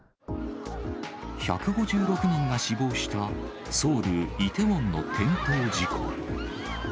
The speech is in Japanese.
１５６人が死亡した、ソウル・イテウォンの転倒事故。